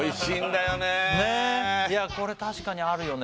いやこれ確かにあるよね